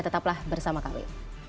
tetaplah bersama kami